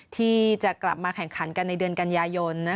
ที่จะกลับมาแข่งขันกันในเดือนกันยายน